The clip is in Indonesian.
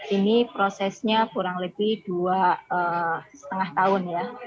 ini prosesnya kurang lebih dua lima tahun ya